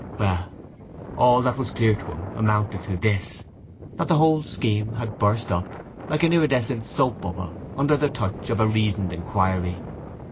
Well, all that was clear to him amounted to this, that the whole scheme had burst up, like an iridescent soap bubble, under the touch of a reasoned inquiry.